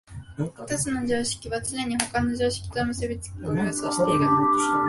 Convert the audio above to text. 一つの常識はつねに他の常識と結び付き、これを予想している。